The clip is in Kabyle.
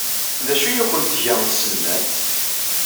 D acu ay awent-tga tselmadt?